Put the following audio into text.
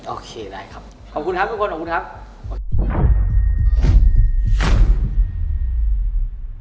โอเคได้ครับขอบคุณครับทุกคน